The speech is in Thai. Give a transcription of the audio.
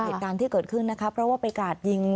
เหตุการณ์ที่เกิดขึ้นนะคะเพราะว่าไปกาดยิง